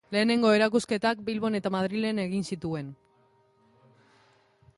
Lehenengo erakusketak Bilbon eta Madrilen egin zituen.